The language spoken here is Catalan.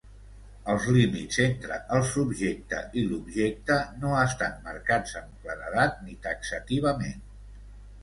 Els límits entre el subjecte i l'objecte, no estan marcats amb claredat ni taxativament.